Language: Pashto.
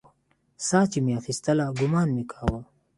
ساه چې مې اخيستله ګومان مې کاوه.